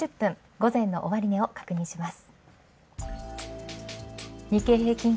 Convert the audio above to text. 午前の終値を確認します。